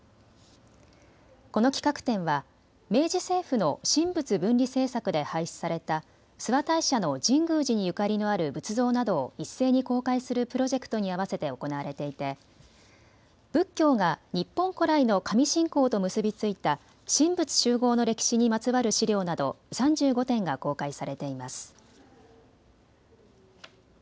この企画展は明治政府の神仏分離政策で廃止された諏訪大社の神宮寺にゆかりのある仏像などを一斉に公開するプロジェクトに合わせて行われていて仏教が日本古来の神信仰と結び付いた神仏習合の歴史にまつわる資料など３５点が公開されています。